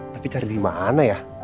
tapi cari dimana ya